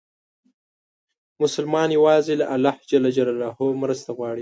مسلمان یوازې له الله مرسته غواړي.